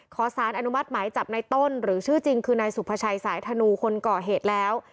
ขอสารอนุมัติหมายจับในต้นหรือชื่อจริงคือนายสุภาชัยสายธนูคนก่อเหตุแล้ว